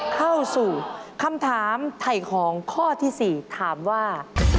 เข้าสู่คำถามไถ่ของข้อที่๔ถามว่า